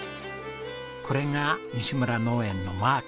これがにしむら農園のマーク。